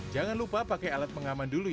jangan lupa pakai alat pengaman dulu ya